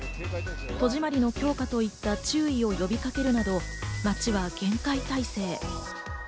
戸締まりの強化といった注意を呼びかけるなど、町は厳戒態勢。